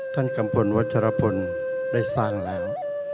ท่านกำพลวัชฌารพลได้สร้างแล้ว